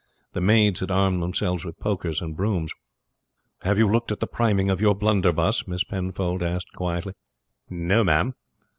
The maids had armed themselves with pokers and brooms. "Have you looked to the priming of your blunderbuss?" Miss Penfold asked quietly. "No, ma'am."